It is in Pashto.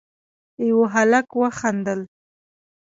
يوه هلک وخندل: